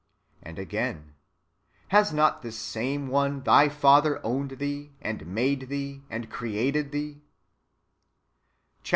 ^ And again, " Has not this same one thy Father owned thee, and made thee, and created thee r'^ Chap.